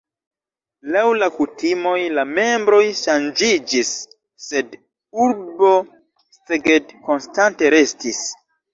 Laŭ la kutimoj la membroj ŝanĝiĝis, sed urbo Szeged konstante restis.